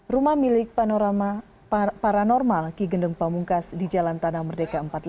rumah milik panorama paranormal ki gendeng pamungkas di jalan tanah merdeka empat puluh lima